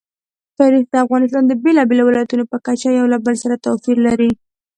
تاریخ د افغانستان د بېلابېلو ولایاتو په کچه یو له بل سره توپیر لري.